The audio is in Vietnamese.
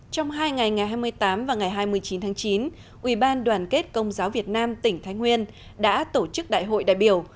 trong hai ngày ngày hai mươi tám và ngày hai mươi chín tháng chín ubndcvn tỉnh thái nguyên đã tổ chức đại hội đại biểu